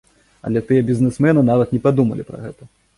Але тыя бізнесмены нават не падумалі пра гэта.